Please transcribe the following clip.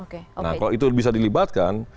kalau itu bisa dilibatkan